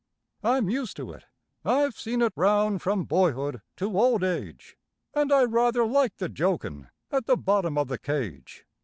I'm used to it, I've seen it round from boyhood to old age, And I rather like the jokin' at the bottom of the cage.